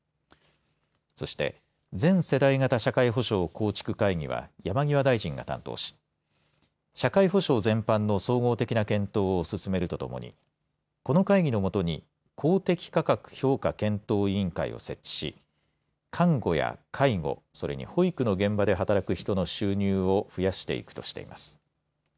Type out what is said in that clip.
そして全世代型社会保障構築会議は山際大臣が担当し社会保障全般の総合的な検討を進めるとともにこの会議のもとに公的価格評価検討委員会を設置し看護や介護、それに保育の現場で働く人の収入を増やしていくとしています。